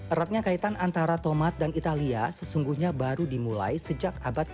eratnya kaitan antara tomat dan italia sesungguhnya baru dimulai sejak abad ke sembilan belas